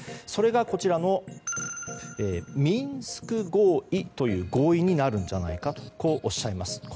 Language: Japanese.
それがこちらのミンスク合意という合意になるんじゃないかとおっしゃいます。